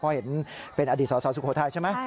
เพราะเห็นเป็นอดีตสสสุโขทัยใช่ไหม